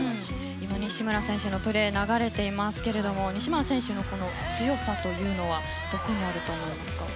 西村選手のプレーが流れていますが西村選手の強さというのはどこにあると思いますか？